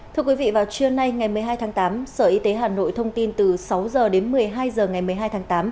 thưa quý vị vào trưa nay ngày một mươi hai tháng tám sở y tế hà nội thông tin từ sáu h đến một mươi hai h ngày một mươi hai tháng tám